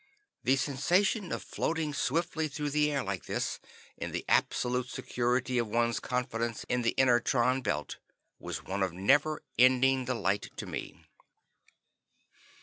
The sensation of floating swiftly through the air like this, in the absolute security of one's confidence in the inertron belt, was one of never ending delight to me.